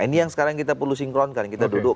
ini yang sekarang kita perlu sinkronkan kita duduk